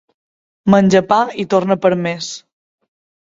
Menja pa i torna per més.